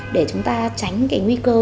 để chúng ta tránh cái nguy cơ